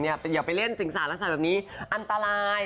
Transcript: เดี๋ยวไปเล่นจิงศาลักษณ์แบบนี้อันตราย